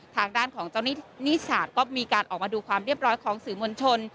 ทางด้านของเจ้านิศาสตร์ก็มีการออกมาดูความเรียบร้อยของสื่อมวลชน